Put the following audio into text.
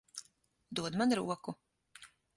Dod man roku.